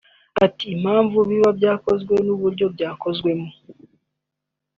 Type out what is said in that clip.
Ati “Impamvu biba byakozwe n’uburyo byakozwemo